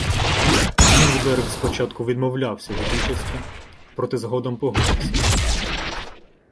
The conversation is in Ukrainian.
Ґінзберґ спочатку відмовлявся від участі, проте згодом погодився.